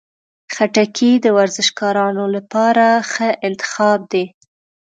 خټکی د ورزشکارانو لپاره ښه انتخاب دی.